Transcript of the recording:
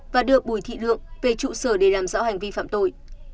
và đưa bùi thị lượng về trụ sở để làm rõ hành vi phạm tội